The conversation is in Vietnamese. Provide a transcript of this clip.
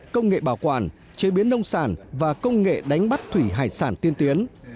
công nghệ bảo quản chế biến nông sản và công nghệ đánh bắt thủy hải sản tiên tiến